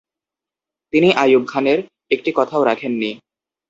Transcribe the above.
তিনি আইয়ুব খানের একটি কথাও রাখেন নি।